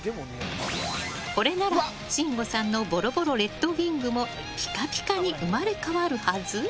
これなら信五さんのボロボロレッドウィングもピカピカに生まれ変わるはず？